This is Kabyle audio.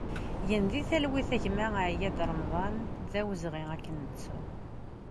Gen di talwit a gma Ayad Remḍan, d awezɣi ad k-nettu!